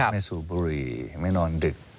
ไม่สูบบุหรี่ไม่นอนดึก